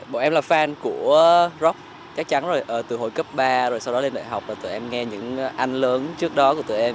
bọn em là fan của rock chắc chắn rồi từ hồi cấp ba rồi sau đó lên đại học là tụi em nghe những anh lớn trước đó của tụi em